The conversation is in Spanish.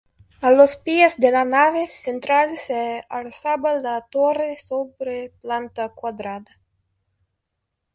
A los pies de la nave central se alzaba la torre sobre planta cuadrada.